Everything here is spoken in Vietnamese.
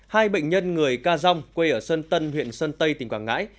hai bệnh nhân người ca dong quê ở sơn tân huyện sơn tây tỉnh quảng ngãi